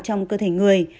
trong cơ thể người